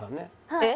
えっ！？